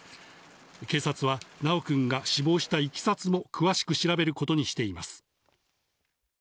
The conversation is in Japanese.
警察は修君が死亡したいきさつを詳しく調べることにしています。